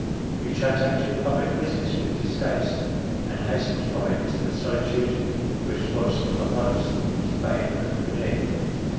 He transacted public business with distaste, and hastened from it to the solitude which was at once his bane and relief.